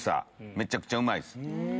めちゃくちゃうまいです。